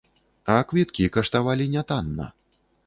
А квіткі каштавалі нятанна.